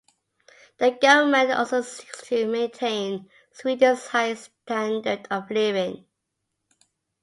The government also seeks to maintain Sweden's high standard of living.